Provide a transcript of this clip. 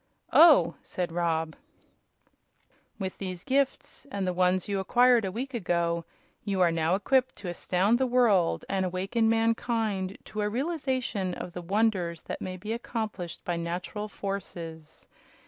"Oh!" said Rob. "With these gifts, and the ones you acquired a week ago, you are now equipped to astound the world and awaken mankind to a realization of the wonders that may be accomplished by natural forces.